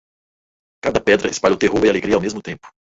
Cada pedra espalhou terror e alegria ao mesmo tempo.